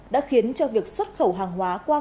đã khiến cho việc xuất khẩu hàng hóa qua cảng